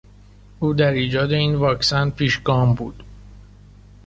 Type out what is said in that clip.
او در ایجاد این واکسن پیشگام بود.